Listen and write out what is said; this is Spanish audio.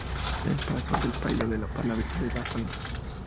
En el paso de palio va la Virgen de la Palma.